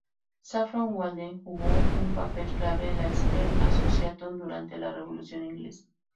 Saffron Walden jugó un papel clave en la Eastern Association durante la Revolución inglesa.